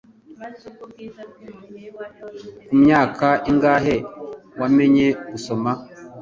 Kumyaka ingahe wamenye gusoma